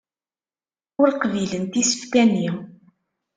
Ur qbilent isefka-nni.